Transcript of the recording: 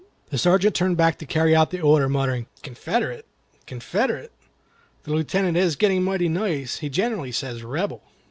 The Sergeant turned back to carry out the order, muttering, "Confederate! Confederate! The Lieutenant is getting mighty nice; he generally says 'Rebel.